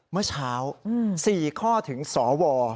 เมื่อเช้า๔ข้อถึงสว